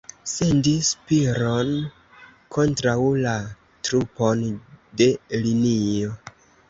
Sendi Spiro'n kontraŭ la trupon de linio!